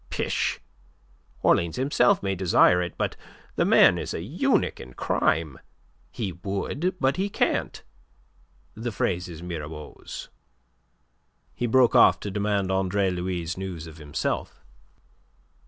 pish! Orleans himself may desire it, but the man is a eunuch in crime; he would, but he can't. The phrase is Mirabeau's." He broke off to demand Andre Louis' news of himself.